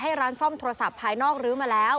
ร้านซ่อมโทรศัพท์ภายนอกลื้อมาแล้ว